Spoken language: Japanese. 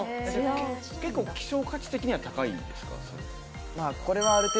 希少価値的には高いんですかね。